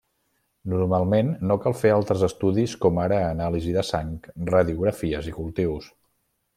Normalment no cal fer altres estudis com ara anàlisi de sang, radiografies i cultius.